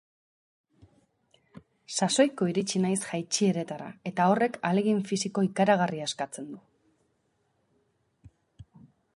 Sasoiko iritsi naiz jaitsieretara, eta horrek ahalegin fisiko ikaragarria eskatzen du.